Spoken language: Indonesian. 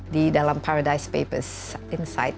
di dalam paradise papers insight